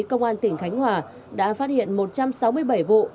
công an tỉnh khánh hòa đã phát hiện một trăm sáu mươi bảy vụ